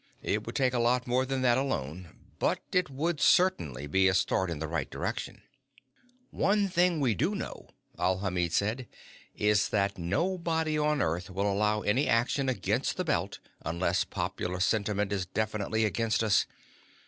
"It would take a lot more than that alone. But it would certainly be a start in the right direction." "One thing we do know," Alhamid said, "is that nobody on Earth will allow any action against the Belt unless popular sentiment is definitely against us.